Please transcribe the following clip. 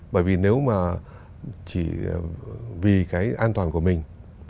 bởi vì nếu mà chỉ vì cái an toàn của mình